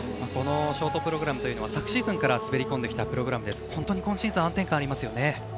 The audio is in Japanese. ショートプログラムは昨シーズンから滑り込んできたプログラムで今シーズン安定感がありますね。